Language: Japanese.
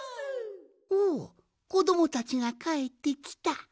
おおこどもたちがかえってきた。